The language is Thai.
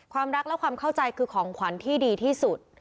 รักและความเข้าใจคือของขวัญที่ดีที่สุด